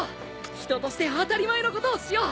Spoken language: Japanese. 人として当たり前のことをしよう！